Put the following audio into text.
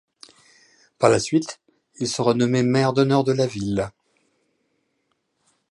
Par la suite, il sera nommé maire d'honneur de la ville.